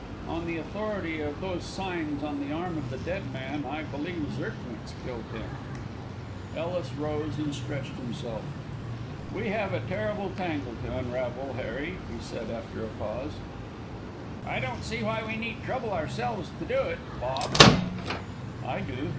On the authority of those signs on the arm of the dead man, I believe Zirknitz killed him." Ellis rose and stretched himself. "We have a terrible tangle to unravel, Harry," he said after a pause. "I don't see why we need trouble ourselves to do it, Bob." "I do.